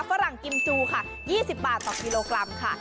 ฝรั่งกิมจูค่ะ๒๐บาทต่อกิโลกรัมค่ะ